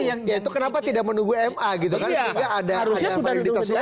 ya itu kenapa tidak menunggu ma gitu kan sehingga ada yang di terserah